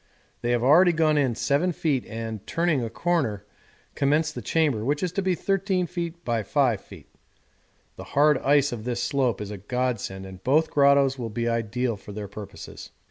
They have already gone in 7 feet and, turning a corner, commenced the chamber, which is to be 13 feet × 5 feet. The hard ice of this slope is a godsend and both grottoes will be ideal for their purposes.